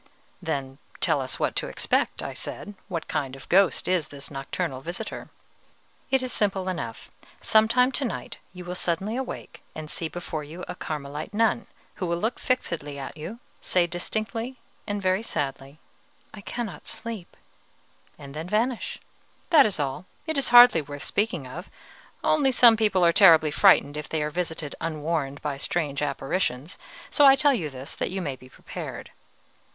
"Then tell us what to expect," I said; "what kind of a ghost is this nocturnal visitor?" "It is simple enough. Some time to night you will suddenly awake and see before you a Carmelite nun who will look fixedly at you, say distinctly and very sadly, 'I cannot sleep,' and then vanish. That is all, it is hardly worth speaking of, only some people are terribly frightened if they are visited unwarned by strange apparitions; so I tell you this that you may be prepared."